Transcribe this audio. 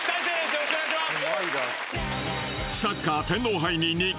よろしくお願いします。